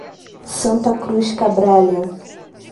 Santa Cruz Cabrália